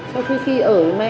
so với khi ở với mẹ